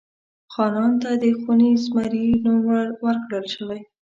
خانان ته د خوني زمري نوم ورکړل شوی.